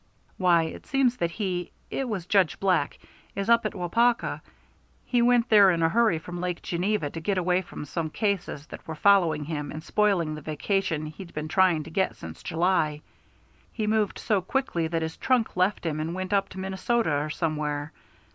"Why, it seems that he it was Judge Black is up at Waupaca. He went there in a hurry from Lake Geneva to get away from some cases that were following him and spoiling the vacation he's been trying to get since July. He moved so quickly that his trunk left him and went up to Minnesota or somewhere.